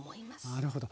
なるほど。